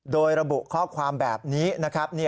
โดยระบุข้อความแบบนี้นะครับ